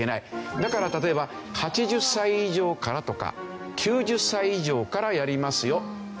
だから例えば８０歳以上からとか９０歳以上からやりますよみたいな事になっていく。